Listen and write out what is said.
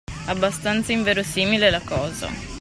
Abbastanza inverosimile la cosa